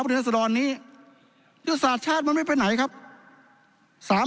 ประเทศสดรณ์นี้ยุศาสตร์ชาติมันไม่ไปไหนครับสาม